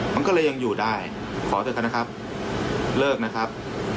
มันก็เลยยังอยู่ได้ขอเถอะกันนะครับเลิกนะครับ